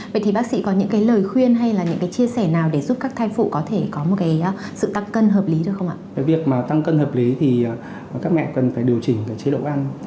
việc tăng cân hợp lý thì các mẹ cần phải điều chỉnh chế độ ăn